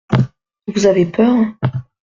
Vous avez peur ?